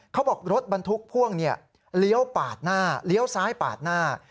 เขาบอกรถบรรทุกพ่วงเลี้ยวปาดหน้าเลี้ยวซ้ายปาดหน้า